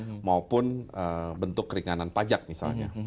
dari anggaran maupun bentuk keringanan pajak misalnya